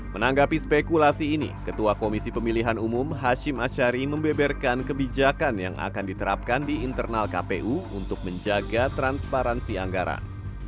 menanggapi spekulasi ini ketua komisi pemilihan umum hashim ashari membeberkan kebijakan yang akan diterapkan di internal kpu untuk menjaga transparansi anggaran